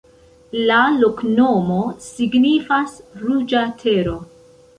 La loknomo signifas: ruĝa tero.